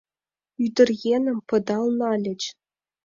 Ӱдыръеҥым пыдал нальыч.